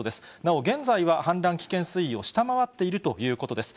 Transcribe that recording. なお、現在は氾濫危険水位を下回っているということです。